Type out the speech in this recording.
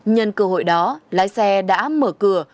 nhân cơ hội đó lái xe đã mở cửa